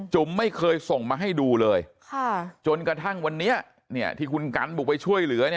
ไม่เคยส่งมาให้ดูเลยจนกระทั่งวันนี้ที่คุณกันบุกไปช่วยเหลือ